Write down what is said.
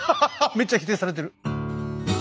めっちゃ否定されてる。